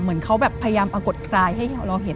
เหมือนเขาแบบพยายามปรากฏกายให้เราเห็น